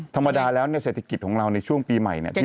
ธรรมดาแล้วเนี่ยเศรษฐกิจของเราในช่วงปีใหม่เนี่ย